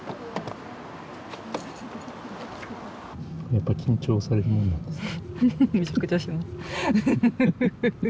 やっぱり緊張されるものなんですか？